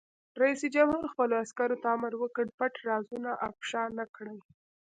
رئیس جمهور خپلو عسکرو ته امر وکړ؛ پټ رازونه افشا نه کړئ!